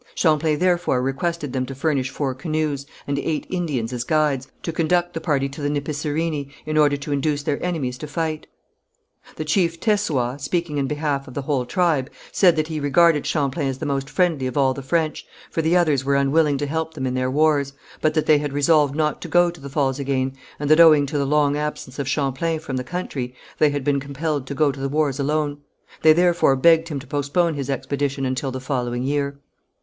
Champlain therefore requested them to furnish four canoes, and eight Indians as guides, to conduct the party to the Nipissirini, in order to induce their enemies to fight. The chief Tessoüat, speaking in behalf of the whole tribe, said that he regarded Champlain as the most friendly of all the French, for the others were unwilling to help them in their wars, but that they had resolved not to go to the falls again, and that, owing to the long absence of Champlain from the country, they had been compelled to go to the wars alone. They therefore begged him to postpone his expedition until the following year.